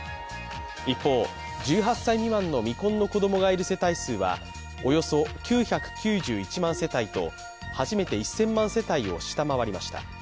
一方、１８歳未満の未婚の子供がいる世帯数はおよそ９９１万世帯と、初めて１０００万世帯を下回りました。